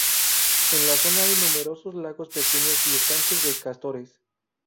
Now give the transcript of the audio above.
En la zona hay numerosos lagos pequeños y estanques de castores.